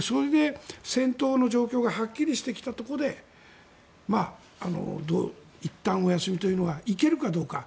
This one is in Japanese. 戦闘の状況がはっきりしてきたところでいったんお休みというのがいけるかどうか。